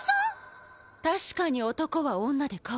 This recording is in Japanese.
確かに男は女で変わるわ。